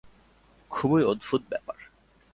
খুবই অদ্ভুত ব্যাপার।